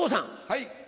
はい。